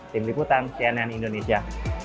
tim liputan cnn indonesia